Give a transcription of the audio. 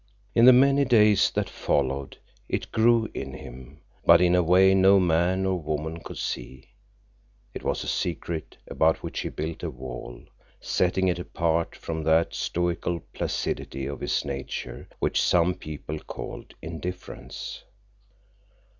In the many days that followed, it grew in him, but in a way no man or woman could see. It was a secret about which he built a wall, setting it apart from that stoical placidity of his nature which some people called indifference.